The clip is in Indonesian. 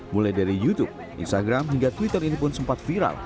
mulai dari youtube instagram hingga twitter ini pun sempat viral